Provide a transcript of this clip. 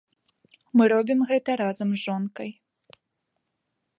Мы робім гэта разам з жонкай.